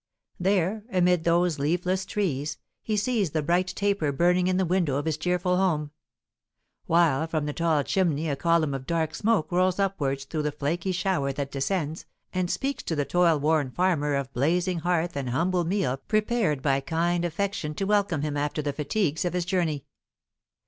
There, amid those leafless trees, he sees the bright taper burning in the window of his cheerful home; while from the tall chimney a column of dark smoke rolls upwards through the flaky shower that descends, and speaks to the toil worn farmer of a blazing hearth and humble meal prepared by kind affection to welcome him after the fatigues of his journey.